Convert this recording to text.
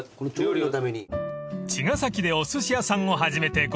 ［茅ヶ崎でおすし屋さんを始めて５５年の］